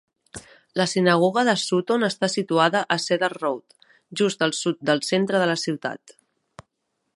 La sinagoga de Sutton està situada a Cedar Road, just al sud del centre de la ciutat.